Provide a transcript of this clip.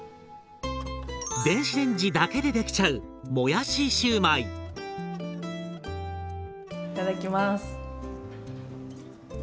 電子レンジだけでできちゃういただきます。